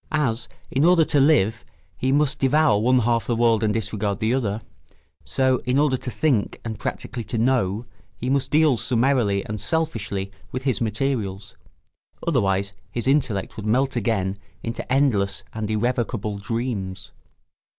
As in order to live he must devour one half the world and disregard the other, so in order to think and practically to know he must deal summarily and selfishly with his materials; otherwise his intellect would melt again into endless and irrevocable dreams.